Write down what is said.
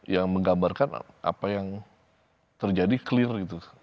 yang menggambarkan apa yang terjadi clear gitu